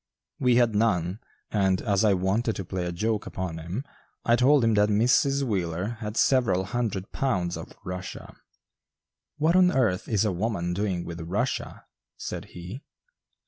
We had none, and, as I wanted to play a joke upon him, I told him that Mrs. Wheeler had several hundred pounds of "Russia." "What on earth is a woman doing with 'Russia?'" said he.